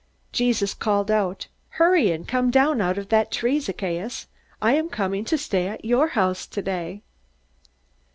Jesus called out: "Hurry and come down out of that tree, Zacchaeus. I am coming to stay at your house today!"